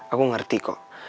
aku ngerti kok